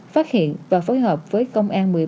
phát hiện và phối hợp với công an một mươi ba